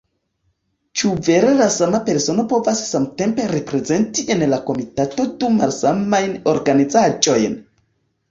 Ĉu vere la sama persono povas samtempe reprezenti en la komitato du malsamajn organizaĵojn?